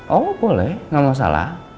oh boleh gak masalah